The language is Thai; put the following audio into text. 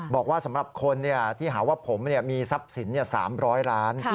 บอกว่าสำหรับคนที่หาว่าผมมีทรัพย์สิน๓๐๐ล้าน